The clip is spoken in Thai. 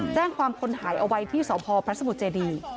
แจ้งความคนหายเอาไว้ที่สพพระสมุทรเจดี